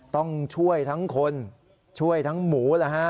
ต้องช่วยทั้งคนช่วยทั้งหมู